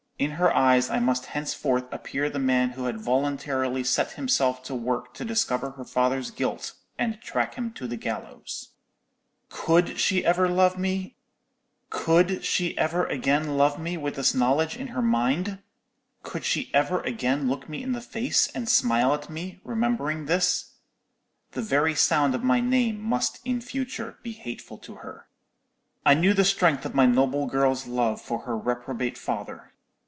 In her eyes I must henceforth appear the man who had voluntarily set himself to work to discover her father's guilt, and track him to the gallows. "Could she ever again love me with this knowledge in her mind? Could she ever again look me in the face, and smile at me, remembering this? The very sound of my name must in future be hateful to her. "I knew the strength of my noble girl's love for her reprobate father.